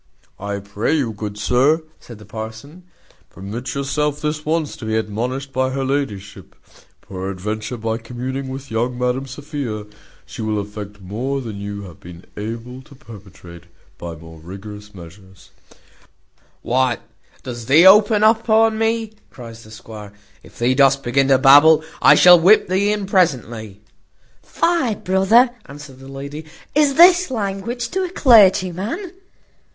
"I pray you, good sir," said the parson, "permit yourself this once to be admonished by her ladyship: peradventure, by communing with young Madam Sophia, she will effect more than you have been able to perpetrate by more rigorous measures." "What, dost thee open upon me?" cries the squire: "if thee dost begin to babble, I shall whip thee in presently." "Fie, brother," answered the lady, "is this language to a clergyman?